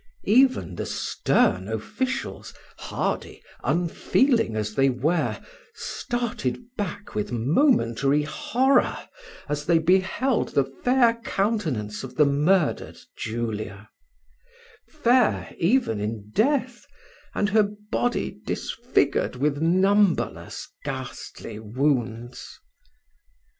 Even the stern officials, hardy, unfeeling as they were, started back with momentary horror as they beheld the fair countenance of the murdered Julia; fair even in death, and her body disfigured with numberless ghastly wounds.